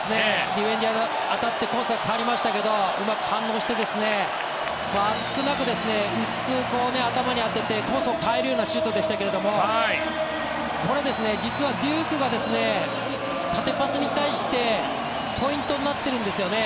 ディフェンダーに当たってコースが変わりましたけどうまく反応して厚くなく、薄く頭に当ててコースを変えるようなシュートでしたけどこれ、実はデュークが縦パスに対してポイントになっているんですよね。